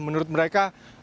menurut menurut saya